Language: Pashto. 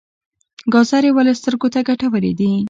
ګازرې ولې سترګو ته ګټورې دي؟